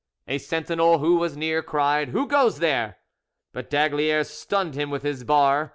A sentinel who was near cried, "Who goes there?" but d'Aygaliers stunned him with his bar.